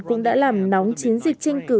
cũng đã làm nóng chiến dịch tranh cử